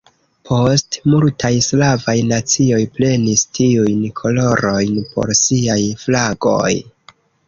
Poste multaj slavaj nacioj prenis tiujn kolorojn por siaj flagoj.